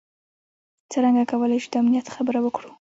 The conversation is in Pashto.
څرنګه کولای شو د امنیت خبره وکړو.